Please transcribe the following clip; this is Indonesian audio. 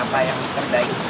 apa yang terjadi